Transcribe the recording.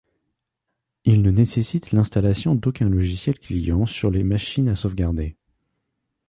Il ne nécessite l'installation d'aucun logiciel client sur les machines à sauvegarder.